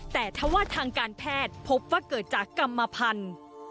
แต่ถ้าว่าทางการแพทย์พบว่าเกิดจากกรรมพันธุ์